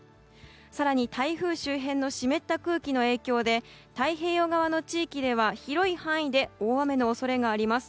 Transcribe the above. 更に、台風周辺の湿った空気の影響で太平洋側の地域では広い範囲で大雨の恐れがあります。